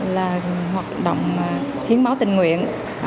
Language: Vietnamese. là hoạt động hiến máu tình nguyện